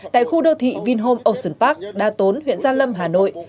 tại khu đô thị vinhome ocean park đa tốn huyện gia lâm hà nội